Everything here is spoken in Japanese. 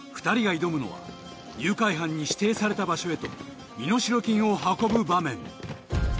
２人が挑むのは誘拐犯に指定された場所へと身代金を運ぶ場面